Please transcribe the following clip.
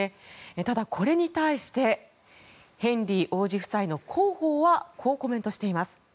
ただ、これに対してヘンリー王子夫妻の広報はこうコメントしています。